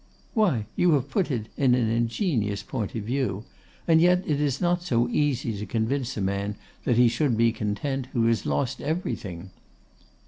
'Why, you have put it in an ingenious point of view; and yet it is not so easy to convince a man, that he should be content who has lost everything.